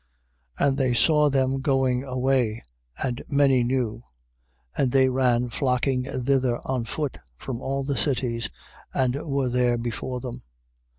6:33. And they saw them going away, and many knew: and they ran flocking thither foot from all the cities, and were there before them.